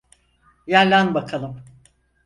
Yaylan bakalım.